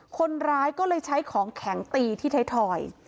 คนร้ายก็เลยใช้ของแข็งตีที่ไทยทอย